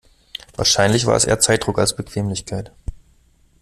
Wahrscheinlich war es eher Zeitdruck als Bequemlichkeit.